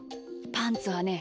パンツはね